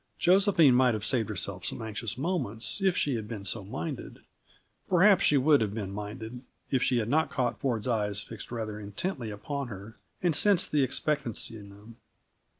Josephine might have saved herself some anxious moments, if she had been so minded; perhaps she would have been minded, if she had not caught Ford's eyes fixed rather intently upon her, and sensed the expectancy in them.